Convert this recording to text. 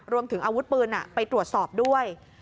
รวมถึงอาวุธปืนไปตรวจสอบด้วย